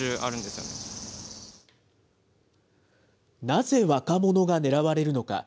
なぜ若者が狙われるのか。